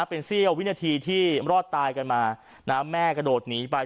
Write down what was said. เป็นเสี้ยววินาทีที่รอดตายกันมาแม่กระโดดหนีไป